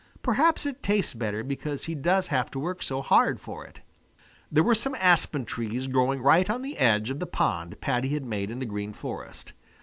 Perhaps it tastes better because he does have to work so hard for it. There were some aspen trees growing right on the edge of the pond Paddy had made in the Green Forest.